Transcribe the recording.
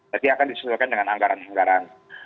jadi akan disesuaikan dengan anggaran anggaran